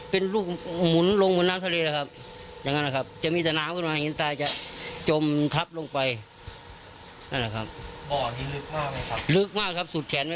บ่อนี้ลึกมากไหมครับลึกมากสุดแข็งไม่โคลดีครับ